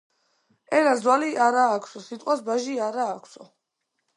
ენას ძვალი არა აქვსო, სიტყვას ბაჟი არა აქვსო